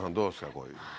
こういう。